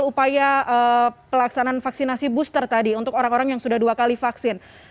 upaya pelaksanaan vaksinasi booster tadi untuk orang orang yang sudah dua kali vaksin